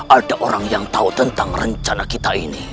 ada orang yang tahu tentang rencana kita ini